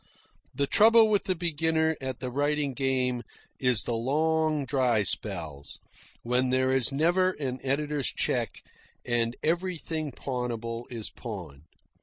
The trouble with the beginner at the writing game is the long, dry spells, when there is never an editor's cheque and everything pawnable is pawned.